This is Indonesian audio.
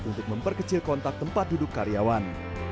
untuk memperkecil kontak tempat duduk karyawan